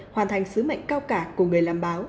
hoàn thành sứ mệnh cao cả của người làm báo